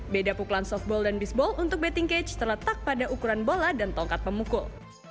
beda pukulan softball dan bisball untuk betting cage terletak pada ukuran bola dan tongkat pemukul